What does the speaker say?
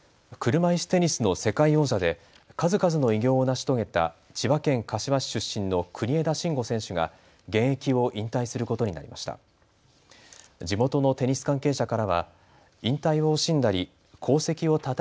車いすテニスの世界王者で数々の偉業を成し遂げた千葉県柏市出身の国枝慎吾選手が現役を引退することになりました。